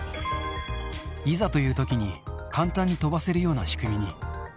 いざというときに簡単に飛ばせるような仕組みに。